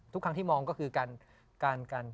ทุกครั้งที่มองก็คือการกัน